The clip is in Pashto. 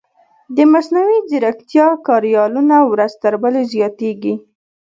د مصنوعي ځیرکتیا کاریالونه ورځ تر بلې زیاتېږي.